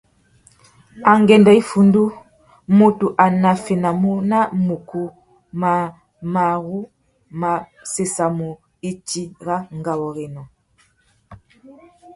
Angüêndô iffundu, mutu a naffénamú nà mukú mà marru má séssamú itsi râ ngawôrénô.